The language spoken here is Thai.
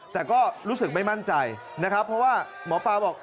แต่ก็รู้สึกไม่มั่นใจนะครับเพราะว่าหมอปลาบอก